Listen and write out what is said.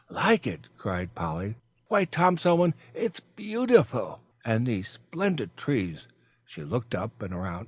"Like it!" cried Polly, "why, Tom Selwyn, it's beautiful. And these splendid trees " she looked up and around.